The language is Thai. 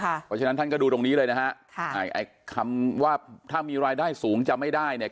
เพราะฉะนั้นท่านก็ดูตรงนี้เลยนะฮะค่ะไอ้คำว่าถ้ามีรายได้สูงจะไม่ได้เนี่ย